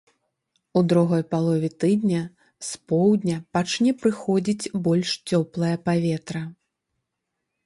У другой палове тыдня з поўдня пачне прыходзіць больш цёплае паветра.